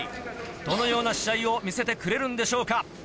どのような試合を見せてくれるんでしょうか。